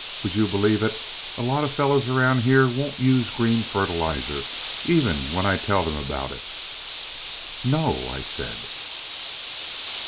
Would you believe it, a lot of fellows around here won't use green fertilizer, even when I tell them about it." "No?" I said.